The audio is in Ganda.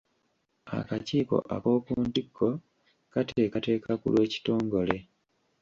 Akakiiko ak'oku ntikko kateekateeka ku lw'ekitongole.